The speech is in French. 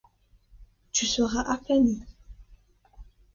Tu seras aplanie.